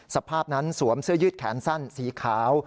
สภาพนั้นสวมเสื้อยืดแขนสั้นสีขาว